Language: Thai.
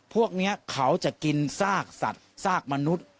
พวกนี้เขาจะกินซากสัตว์ซากมนุษย์